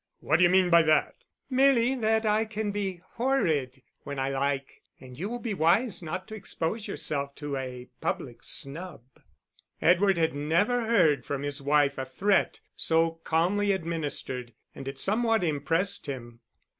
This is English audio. "What d'you mean by that?" "Merely that I can be horrid when I like, and you will be wise not to expose yourself to a public snub." Edward had never heard from his wife a threat so calmly administered, and it somewhat impressed him.